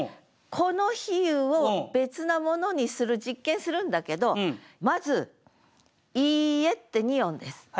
この比喩を別なものにする実験するんだけどまず「家」って２音です。